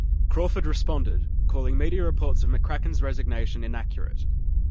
Crawford responded, calling media reports of McCracken's resignation inaccurate.